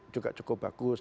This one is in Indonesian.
juga cukup bagus